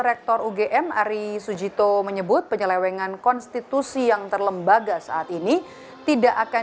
rektor ugm ari sujito menyebut penyelewengan konstitusi yang terlembaga saat ini tidak akan